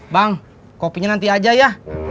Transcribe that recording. bang kopinya nanti aja ya